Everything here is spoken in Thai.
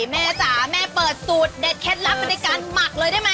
แม่ชายแม่เปิดสูตรเดชครับมันใช้การกเลยได้มะ